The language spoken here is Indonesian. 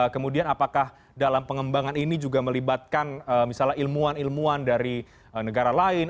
kemudian apakah dalam pengembangan ini juga melibatkan misalnya ilmuwan ilmuwan dari negara lain